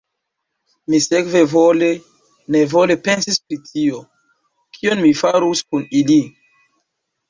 Mi sekve vole-nevole pensis pri tio, kion mi farus kun ili.